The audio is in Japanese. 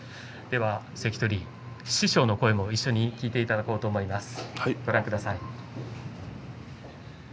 では関取、師匠の声も一緒に聞いていただこうと思います。